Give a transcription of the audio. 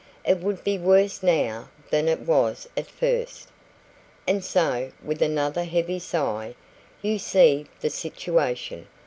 It would be worse now than it was at first. And so' with another heavy sigh 'you see the situation.